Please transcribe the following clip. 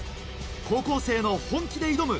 高校生の本気で挑む